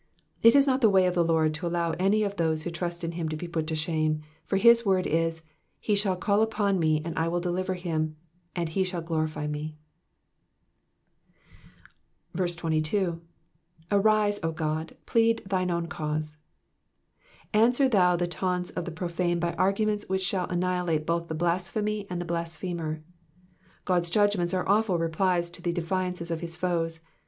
It is not the way of the Lord to allow any of those who trust in him to be put to shame ; for his word is, *^ He shall call upon me, and I will deliver him, and he shall glorify me." 22. ^^Arise^ O Ood, plead thins oicn cause.'*'* Answer thou the taunts of the Crofane by arguments which shall annihilate both the blasphemy and the lasphemer. God^s judgments are awful replies to the defiances of bis foes.